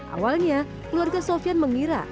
awalnya keluarga sofyan mengira